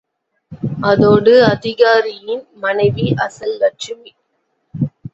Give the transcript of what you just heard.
அதோடு, அதிகாரியின் மனைவி அசல் லட்சுமி.